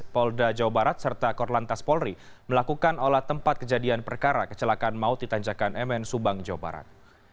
polda jawa barat serta korlantas polri melakukan olah tempat kejadian perkara kecelakaan maut di tanjakan mn subang jawa barat